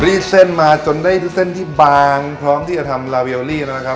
เส้นมาจนได้เส้นที่บางพร้อมที่จะทำลาเวลลี่แล้วนะครับ